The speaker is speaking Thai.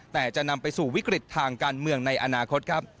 แต่จะนำไปสู่วิกฤตทางการเมืองในอนาคตครับ